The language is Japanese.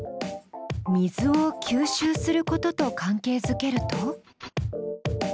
水を吸収することと関係づけると？